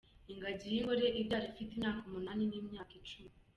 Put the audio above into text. Ingagi y’ingore ibyara ifite imyaka umunani n’imyaka icumi.